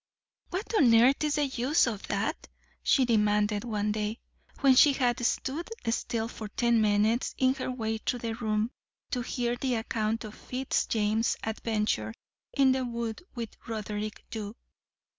"What on earth is the use of that?" she demanded one day, when she had stood still for ten minutes in her way through the room, to hear the account of Fitz James's adventure in the wood with Roderick Dhu.